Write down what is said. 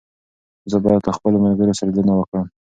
زه بايد له خپلو ملګرو سره ليدنه وکړم.